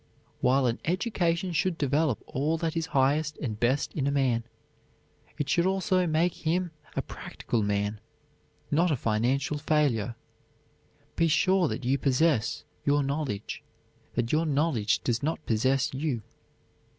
While an education should develop all that is highest and best in a man, it should also make him a practical man, not a financial failure. Be sure that you possess your knowledge, that your knowledge does not possess you.